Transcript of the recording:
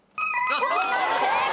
正解！